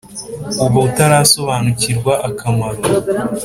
uba utarasobanukirwa akamaro